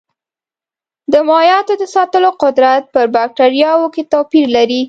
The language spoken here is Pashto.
د مایعاتو د ساتلو قدرت په بکټریاوو کې توپیر لري.